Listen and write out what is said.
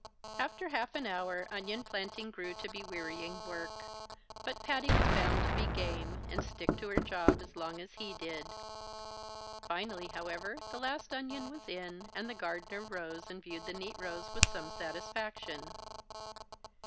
After half an hour, onion planting grew to be wearying work; but Patty was bound to be game, and stick to her job as long as he did. Finally, however, the last onion was in, and the gardener rose and viewed the neat rows with some satisfaction.